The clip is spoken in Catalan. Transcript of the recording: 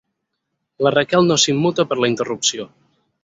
La Raquel no s'immuta per la interrupció.